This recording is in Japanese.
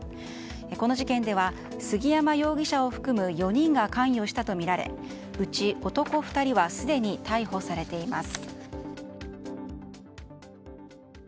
この事件では杉山容疑者を含む４人が関与したとみられうち男２人はすでに逮捕されています。